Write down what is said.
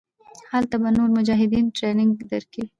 هلته به نور مجاهدين ټرېننگ درکي.